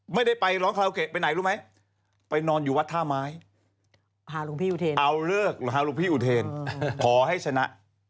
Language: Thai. เอาเลิกหาลูกพี่อุเทนขอให้ชนะ